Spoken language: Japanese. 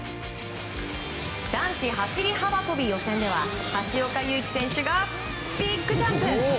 男子走り幅跳び予選では橋岡優輝選手がビッグジャンプ。